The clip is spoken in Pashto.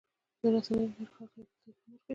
د رسنیو له لارې خلک یو بل ته الهام ورکوي.